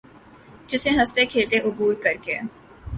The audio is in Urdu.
جسے ہنستے کھیلتے عبور کر کے